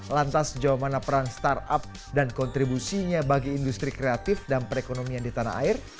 lantas jauh mana peran startup dan kontribusinya bagi industri kreatif dan perekonomian di tanah air